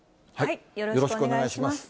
よろしくお願いします。